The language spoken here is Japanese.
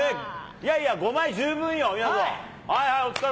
いやいや、５枚十分よ、みやぞん。